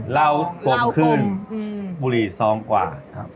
ล้าวปมขึ้นบุรี๒กว่า